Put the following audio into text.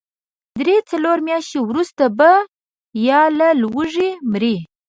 درې، څلور مياشتې وروسته به يا له لوږې مري.